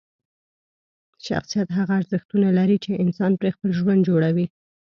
شخصیت هغه ارزښتونه لري چې انسان پرې خپل ژوند جوړوي.